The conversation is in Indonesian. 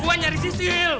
gue nyari sisil